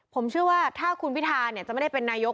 ผมเชื่อว่าถ้าคุณพิทาจะไม่ได้เป็นนายก